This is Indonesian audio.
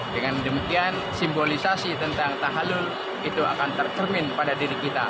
dengan demikian simbolisasi tentang tahalun itu akan tercermin pada diri kita